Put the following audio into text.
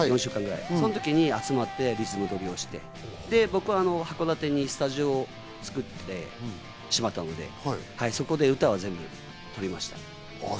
その時に集まって、別に音録りをして函館に僕はスタジオを作ってしまったので、そこで歌は全部録りました。